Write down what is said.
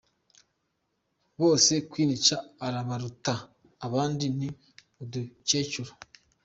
Bose Quen cha arabaruta abandi ni udukecuru.